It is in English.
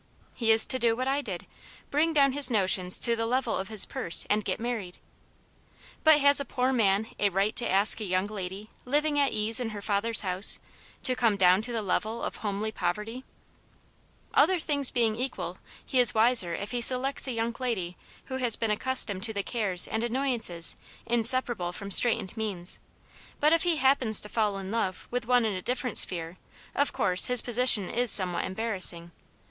" He is to do what I did. Bring down his notions to the level of his purse, and get married." "But has a poor man a right to ask a young lady, living at ease in her father's house, to come down to the level of homely poverty ?" "Other things being equal, he is wiser if he selects a young lady who has been accustomed to the cares and annoyances inseparable from straitened means. But if he happens to fall in love with one in a different sphere, of course, his position is some what embarrassing.